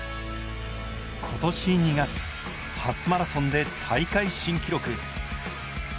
今年、２月初マラソンで大会新記録。